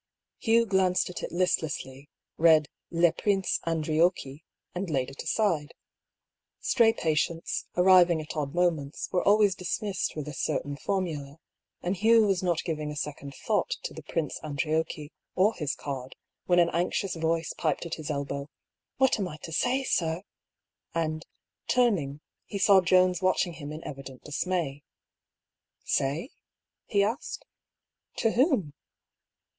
Hugh glanced at it listlessly, read " Le Prince Andriocchi^^^ and laid it aside. Stray patients, arriving at odd moments, were always dismissed with a certain formula, and Hugh was not giving a second thought to the Prince Andriocchi or his card when an anxious voice piped at his elbow, " What am I to say, sir ?" and turning, he saw Jones watching him in evident dis may. " Say ?" he asked. " To whom